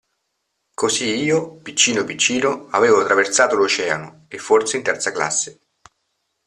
Così io, piccino piccino, avevo traversato l'Oceano, e forse in terza classe.